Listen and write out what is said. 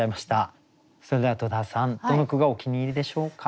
それでは戸田さんどの句がお気に入りでしょうか？